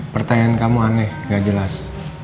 pertanyaan kamu aneh gak jelas